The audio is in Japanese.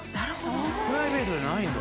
プライベートでないんだ。